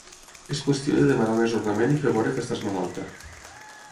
És qüestió de demanar un ajornament i fer veure que estàs malalta.